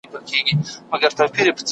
دا سکتور اقتصاد ګړندی کوي.